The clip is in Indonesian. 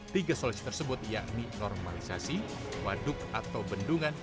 tiga solusi tersebut yakni normalisasi waduk atau bendungan